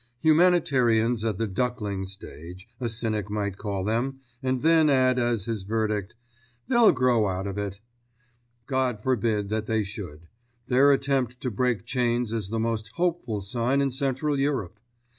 Humanitarians at the duckling stage, a cynic might call them, and then add as his verdict, "They'll grow out of that." God forbid that they should; their attempt to break chains is the most hopeful sign in Central Europe.